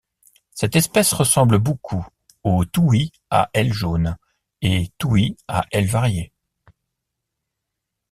Cette espèce ressemble beaucoup aux toui à ailes jaunes et toui à ailes variées.